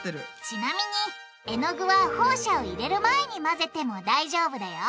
ちなみに絵の具はホウ砂を入れる前に混ぜても大丈夫だよ！